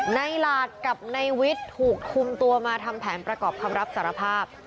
หลาดกับนายวิทย์ถูกคุมตัวมาทำแผนประกอบคำรับสารภาพ